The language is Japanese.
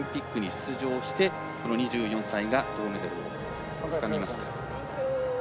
初めてパラリンピックに出場して、この２４歳が銅メダルをつかみました。